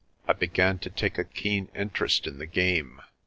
I began to take a keen interest in the game.